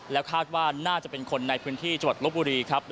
แล้วคาดว่าน่าจะเป็นคนในพื้นที่จังหวัดลบบุรีครับ